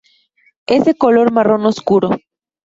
Es de color marrón oscuro.